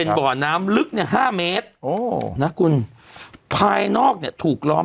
สวัสดีครับคุณผู้ชม